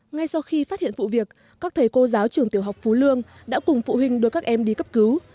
ngay sau khi phát hiện vụ việc các thầy cô giáo trường tiểu học phú lương đã cùng phụ huynh đưa các em đi cấp cứu